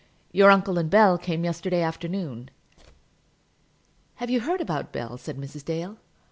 Your uncle and Bell came yesterday afternoon." "Have you heard about Bell?" said Mrs. Dale.